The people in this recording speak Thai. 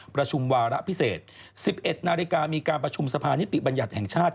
ประชุมวาระพิเศษ๑๑นาฬิกามีการประชุมสภานิติบัญญัติแห่งชาติ